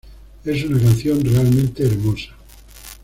Es una canción realmente hermosa.